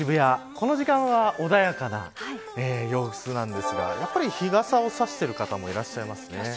この時間は穏やかな様子なんですがやっぱり日傘を差している方もいらっしゃいますね。